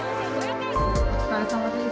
お疲れさまです。